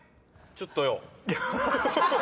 ちょっと。